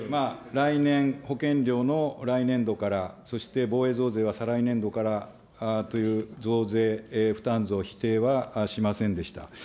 来年、保険料の来年度から、そして防衛増税は再来年度からという増税負担増、否定はしませんでした。